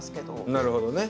なるほどね。